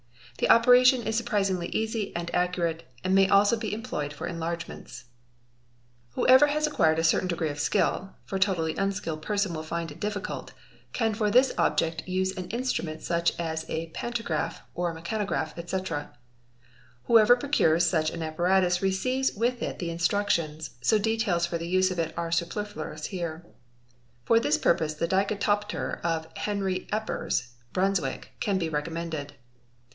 The operation is surprisingly easy and accurate am may also be employed for enlargements. MODELLING 469 Whoever has acquired a certain degree of skill, for a totally unskilled "person will find it difficult, can for this object use an instrument such as a Pantograph ®® or Mechanograph, etc. Whoever procures such an apparatus receives With it the instructions, so details for the use of it are superfluous here. For this purpose the Dikatopter of Henry Eppers (Brunswick) can be recommended.